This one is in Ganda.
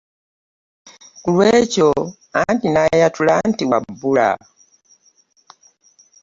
Kulwekyo anti natuula nti wabbula.